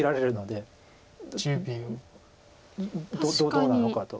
どうなのかと。